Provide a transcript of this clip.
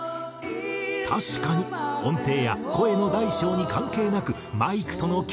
確かに音程や声の大小に関係なくマイクとの距離は一定。